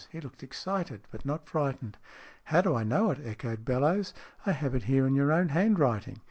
He looked excited, but not frightened. " How do I know it ?" echoed Bellowes. " I have it here in your own handwriting."